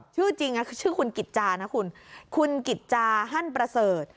ชื่อจริงคือชื่อคุณกิจจานะคุณคุณกิจจาฮั่นประเสริฐ